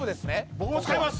僕も使います。